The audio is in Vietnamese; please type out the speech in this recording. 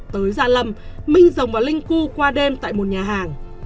tới gia lâm minh rồng và linh cưu qua đêm tại một nhà hàng